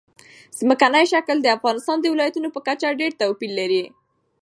ځمکنی شکل د افغانستان د ولایاتو په کچه ډېر توپیر لري.